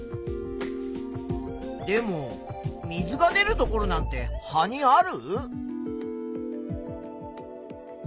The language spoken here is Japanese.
でも水が出るところなんて葉にある？